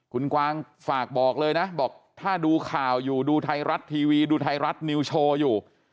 คุณกวางฝากบอกเลยนะบอกถ้าดูข่าวอยู่ดูไทยรัฐทีวีดูไทยรัฐนิวโชว์อยู่